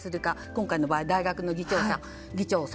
今回の場合、大学の議長さん。